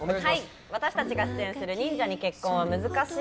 私たちが出演する「忍者に結婚は難しい」。